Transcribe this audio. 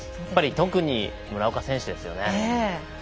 やっぱり特に村岡選手ですよね。